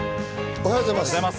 おはようございます。